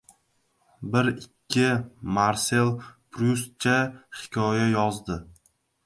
Bir-ikkita Marsel Prustcha hikoya yozdi.